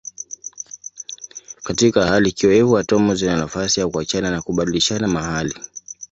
Katika hali kiowevu atomu zina nafasi ya kuachana na kubadilishana mahali.